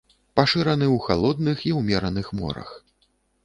Пашыраны ў халодных і ўмераных морах.